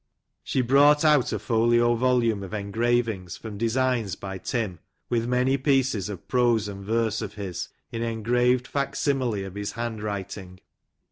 She brought out a folio volume of engravings from designs by Tim, with many pieces of prose and verse of his, in engraved fac simile of his hand writing.